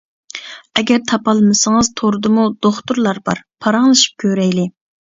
ئەگەر تاپالمىسىڭىز توردىمۇ دوختۇرلار بار، پاراڭلىشىپ كۆرەيلى.